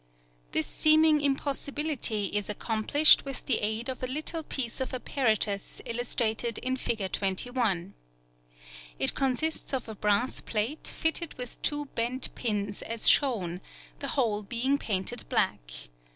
This seeming impossibility is accomplished with the aid of the little piece of apparatus illustrated in Fig. 21. It consists of a brass plate fitted with two bent pins as shown, the whole being painted black.